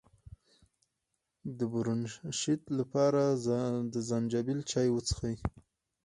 د برونشیت لپاره د زنجبیل چای وڅښئ